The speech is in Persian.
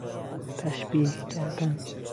تشبیه کردن